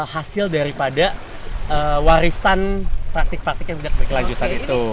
hasil dari pada warisan praktek praktek yang sudah berkelanjutan itu